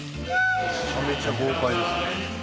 めちゃめちゃ豪快ですね。